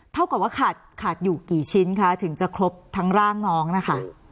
เท่ากับว่าขาดขาดอยู่กี่ชิ้นคะถึงจะครบทั้งร่างน้องนะคะ